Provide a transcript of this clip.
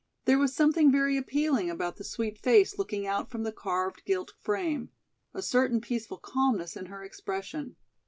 There was something very appealing about the sweet face looking out from the carved gilt frame, a certain peaceful calmness in her expression.